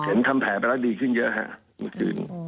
เห็นปัญหาได้ขึ้นเยอะครับ